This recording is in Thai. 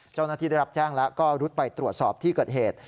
เจ้าหน้าที่ได้รับแจ้งแล้วก็รุดไปตรวจสอบที่เกิดเหตุ